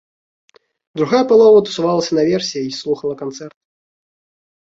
Другая палова тусавалася наверсе і слухала канцэрт.